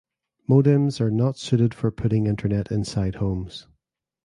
Modems are not suited for putting internet inside homes.